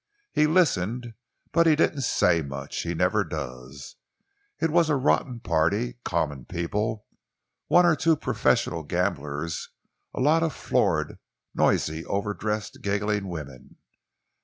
He listened but he didn't say much. He never does. It was a rotten party common people, one or two professional gamblers, a lot of florid, noisy, overdressed, giggling women.